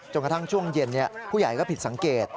จนถ้างช่วงเย็นผู้หญ่ก็ผิดสังเกต